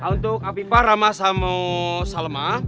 untuk apipah rama sama salma